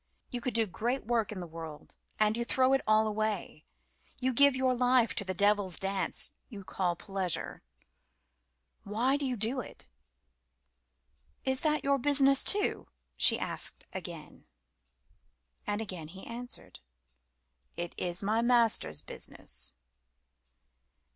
You could do great work in the world, and you throw it all away; you give your life to the devil's dance you call pleasure. Why do you do it?" "Is that your business too?" she asked again. And again he answered "It is my Master's business."